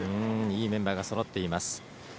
いいメンバーがそろっています。